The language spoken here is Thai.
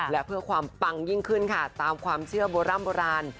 และเพื่อความปังยิ่งขึ้นค่ะตามความเชื่อโบร่ำโบราณ